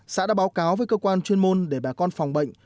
xã đã báo cáo với cơ quan chuyên môn để bà con phòng bệnh